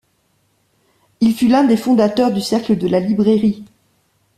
Il fut l'un des fondateurs du Cercle de la Librairie.